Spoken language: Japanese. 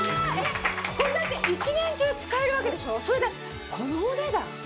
これ１年中使えるわけでしょそれでこのお値段。